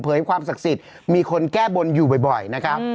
ความศักดิ์สิทธิ์มีคนแก้บนอยู่บ่อยนะครับ